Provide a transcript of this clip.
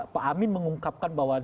pak amin mengungkapkan bahwa